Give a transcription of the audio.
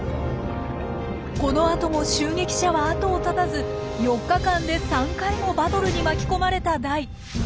このあとも襲撃者は後を絶たず４日間で３回もバトルに巻き込まれたダイ。